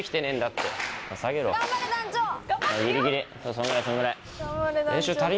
そんぐらいそんぐらい。